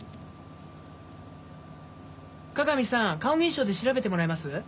加賀美さん顔認証で調べてもらえます？